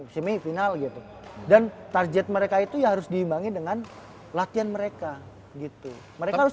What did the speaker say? semifinal gitu dan target mereka itu ya harus diimbangi dengan latihan mereka gitu mereka harus